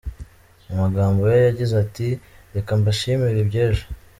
Mu magambo ye agize ati “Reka mbashimire iby’ejo.